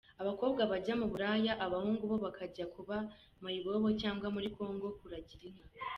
Abakobwa bajya mu buraya, abahungu bo bakajya kuba mayibobo cyangwa muri Congo kuragira inka.